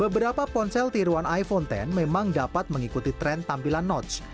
beberapa ponsel tiruan iphone x memang dapat mengikuti tren tampilan notch